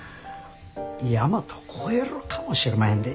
大和超えるかもしれまへんで。